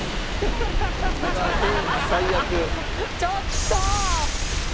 ちょっと！